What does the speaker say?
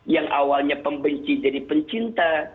yang awalnya pembenci jadi pencinta